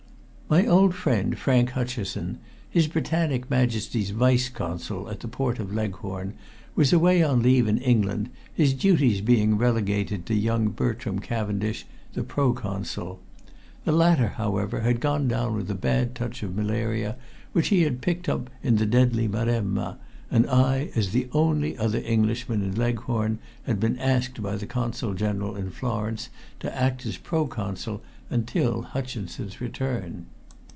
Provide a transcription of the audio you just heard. My old friend Frank Hutcheson, His Britannic Majesty's Vice Consul at the port of Leghorn, was away on leave in England, his duties being relegated to young Bertram Cavendish, the pro Consul. The latter, however, had gone down with a bad touch of malaria which he had picked up in the deadly Maremma, and I, as the only other Englishman in Leghorn, had been asked by the Consul General in Florence to act as pro Consul until Hutcheson's return.